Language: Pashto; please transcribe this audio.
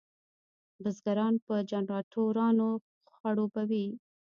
بزګران په جنراټورانو خړوبوي.